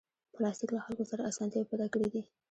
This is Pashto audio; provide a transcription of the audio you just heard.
پلاستيک له خلکو سره اسانتیاوې پیدا کړې دي.